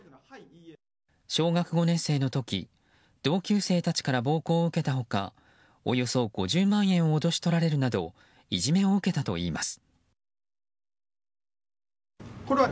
小学５年生の時同級生たちから暴行を受けた他およそ５０万円を脅し取られるなどいじめを受けたといいます。